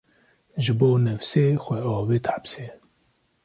Ji bo nefsê, xwe avêt hepsê